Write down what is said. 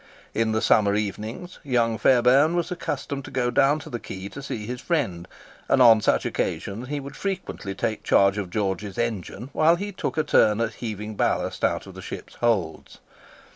In the summer evenings young Fairbairn was accustomed to go down to the Quay to see his friend, and on such occasions he would frequently take charge of George's engine while he took a turn at heaving ballast out of the ships' holds.